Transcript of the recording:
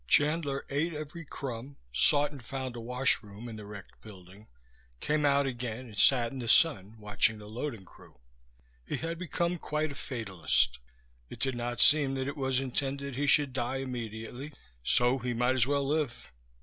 Chandler ate every crumb, sought and found a washroom in the wrecked building, came out again and sat in the sun, watching the loading crew. He had become quite a fatalist. It did not seem that it was intended he should die immediately, so he might as well live.